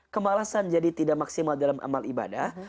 kemalasan jadi tidak maksimal dalam amal ibadah